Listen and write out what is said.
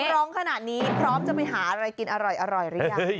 ร้องขนาดนี้พร้อมจะไปหาอะไรกินอร่อยหรือยัง